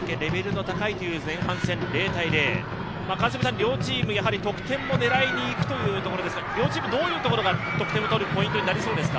両チーム、得点を狙いにいくというところですが、両チームどういうところが得点を取るポイントになりそうですか？